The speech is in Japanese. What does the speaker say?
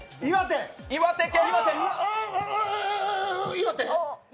岩手。